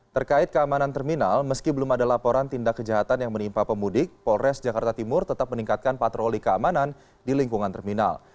terkait keamanan terminal meski belum ada laporan tindak kejahatan yang menimpa pemudik polres jakarta timur tetap meningkatkan patroli keamanan di lingkungan terminal